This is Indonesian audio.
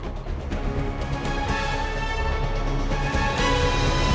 pokoknya buat si orange film